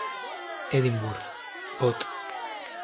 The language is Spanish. Edinburgh; Bot.